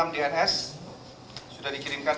enam dns sudah dikirimkan